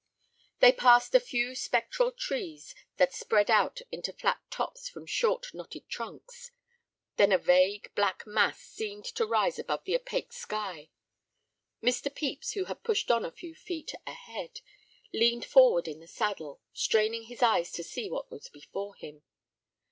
They passed a few spectral trees that spread out into flat tops from short, knotted trunks. Then a vague, black mass seemed to rise against the opaque sky. Mr. Pepys, who had pushed on a few feet ahead, leaned forward in the saddle, straining his eyes to see what was before him.